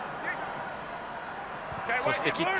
そしてキック。